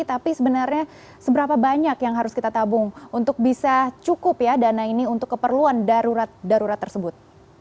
tapi sebenarnya seberapa banyak yang harus kita tabung untuk bisa cukup ya dana ini untuk keperluan darurat darurat tersebut